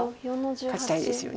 勝ちたいですよね。